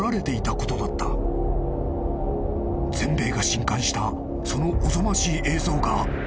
［全米が震撼したそのおぞましい映像がこれだ］